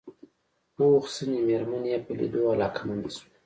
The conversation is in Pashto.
پوخ سنې مېرمن يې په ليدو علاقه منده شوه.